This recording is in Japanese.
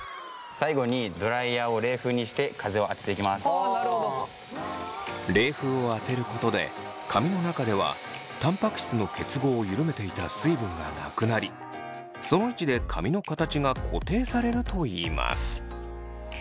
ちなみに冷風を当てることで髪の中ではたんぱく質の結合を緩めていた水分がなくなりその位置で髪の形が固定されるといいます。